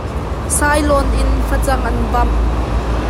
Sailawn in facang an vamh.